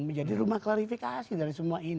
menjadi rumah klarifikasi dari semua ini